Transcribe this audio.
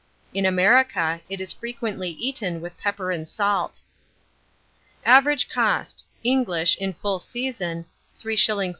In America, it is frequently eaten with pepper and salt. Average cost, English, in full season, 3s. 6d.